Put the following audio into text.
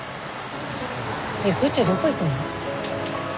行くってどこ行くの？